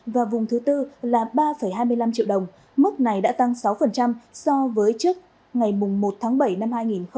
và vùng thứ bốn là ba hai mươi năm triệu đồng mức này đã tăng sáu so với trước ngày một tháng bảy năm hai nghìn hai mươi